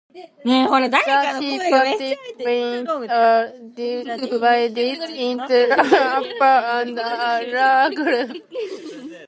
The hepatic veins are divided into an upper and a lower group.